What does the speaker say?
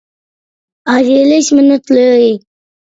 ئايرىلىش مىنۇتلىرى